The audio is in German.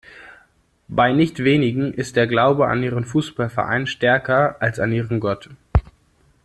Bei nicht wenigen ist der Glaube an ihren Fußballverein stärker als an ihren Gott.